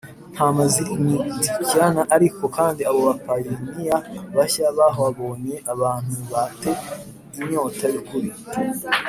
ntama ziri i Myitkyina Ariko kandi abo bapayiniya bashya bahabonye abantu ba te inyota y ukuri